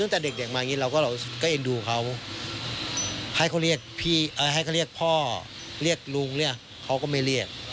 ตั้งแต่เด็กมาอย่างนี้เราก็เอ็นดูเขาให้เขาเรียกพี่ให้เขาเรียกพ่อเรียกลุงเรียกเขาก็ไม่เรียก